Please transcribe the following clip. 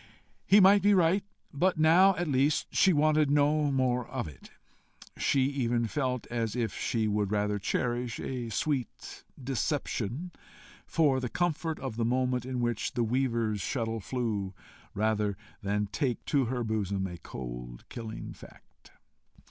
He might be right, but now at least she wanted no more of it. She even felt as if she would rather cherish a sweet deception for the comfort of the moment in which the weaver's shuttle flew, than take to her bosom a cold killing fact.